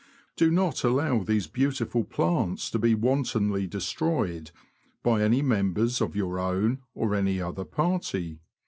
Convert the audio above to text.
Do not allow these beautiful plants to be wantonly destroyed by any members of your own or any other party.